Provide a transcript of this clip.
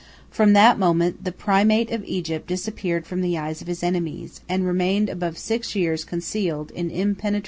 From that moment the primate of Egypt disappeared from the eyes of his enemies, and remained above six years concealed in impenetrable obscurity.